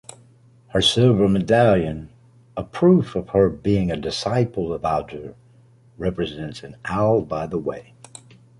Her silver medallion, a proof of her being a disciple of Aldur, represents an owl by the way.